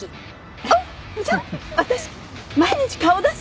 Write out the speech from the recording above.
あっじゃあ私毎日顔出すわ。